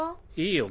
いいよ